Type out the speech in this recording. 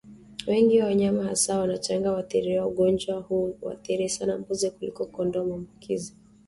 Wengi wa wanyama hasa wachanga huathiriwa Ugonjwa huu huathiri sana mbuzi kuliko kondoo Maambukizi